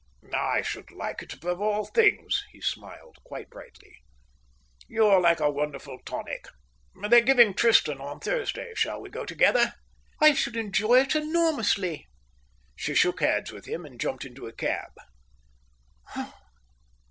"I should like it above all things," he smiled, quite brightly. "You're like a wonderful tonic. They're giving Tristan on Thursday. Shall we go together?" "I should enjoy it enormously." She shook hands with him and jumped into a cab.